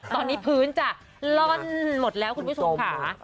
ตอนนี้พื้นจะล่อนหมดแล้วคุณผู้ชมค่ะ